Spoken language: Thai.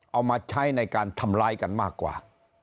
เอามาใช้ในการทำร้ายกันมากกว่า